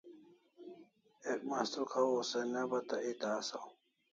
Ek mastruk hawaw se ne bata eta asaw